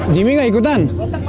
jimmy gak ikutan